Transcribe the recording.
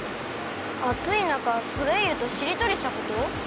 あついなかソレイユとしりとりしたこと？